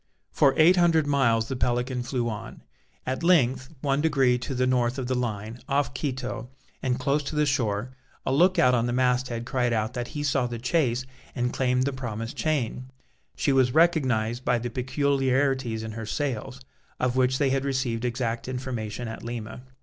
For eight hundred miles the Pelican flew on. At length, one degree to the north of the line, off Quito, and close to the shore, a look out on the mast head cried out that he saw the chase and claimed the promised chain; she was recognized by the peculiarities in her sails, of which they had received exact information at Lima.